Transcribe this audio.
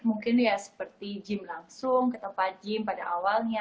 mungkin seperti gym langsung ketempat gym pada awalnya